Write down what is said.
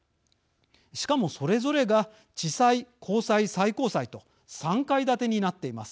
しかも、それぞれが地裁、高裁、最高裁と３階建てになっています。